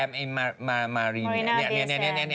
นี่แหลมมารีนาเบเซน